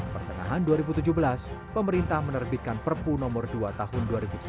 pertengahan dua ribu tujuh belas pemerintah menerbitkan perpu nomor dua tahun dua ribu tujuh belas